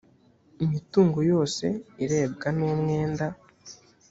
imitungo yose irebwa n umwenda